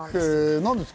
何ですか？